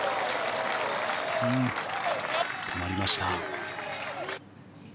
止まりました。